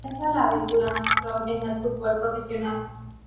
Comienza la aventura Macron en el fútbol profesional.